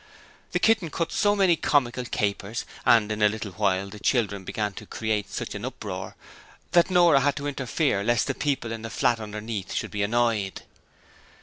The kitten cut so many comical capers, and in a little while the children began to create such an uproar, that Nora had to interfere lest the people in the flat underneath should be annoyed.